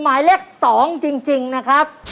หมายเลข๒จริงนะครับ